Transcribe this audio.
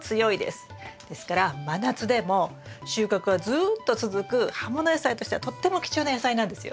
ですから真夏でも収穫はずっと続く葉もの野菜としてはとっても貴重な野菜なんですよ。